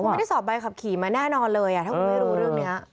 คุณไม่ได้สอบใบขับขี่มาแน่นอนเลยถ้าคุณไม่รู้เรื่องนี้